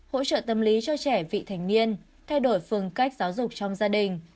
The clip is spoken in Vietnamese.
hỗ trợ tâm lý cho trẻ vị thành niên thay đổi phương cách giáo dục trong gia đình